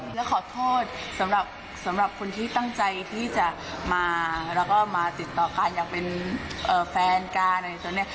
แล้วขอโทษสำหรับคนที่ตั้งใจที่จะมาแล้วก็มาติดต่อกันอยากเป็นแฟนกันอะไรตอนนี้